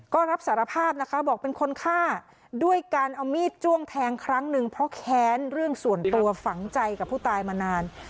ก็รับสารภาพนะคะบอกเป็นคนฆ่าด้วยการเอามีดจ้วงแทงครั้งหนึ่งเพราะแค้นเรื่องส่วนตัวฝังใจกับผู้ตายมานาน